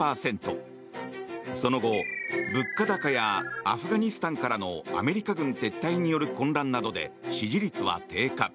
その後、物価高やアフガニスタンからのアメリカ軍撤退による混乱などで支持率は低下。